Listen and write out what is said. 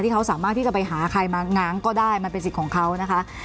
เขาสามารถที่จะไปหาใครมาง้างก็ได้มันเป็นสิทธิ์ของเขานะคะ